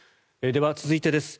では続いてです。